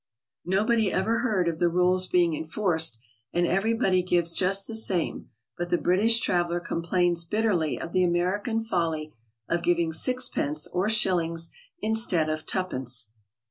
'* Nobody ever heard of the rule's being enforced, and every body gives just the same, but the British traveler complains bitterly of the American folly of giving six pences or shill ings instead of "tuppence."